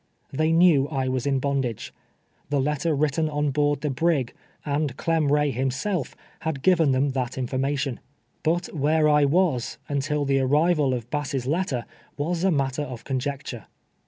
Tliey knew I was in bondage. The letter writ ten on board the brig, and Clem Eay himself, had given them that information. Ihit where I was, until the arrival of Bass' letter, was a matter of conjecture.